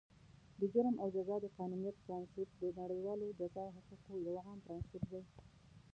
د جرم او جزا د قانونیت پرانسیپ، د نړیوالو جزا حقوقو یو عام پرانسیپ دی.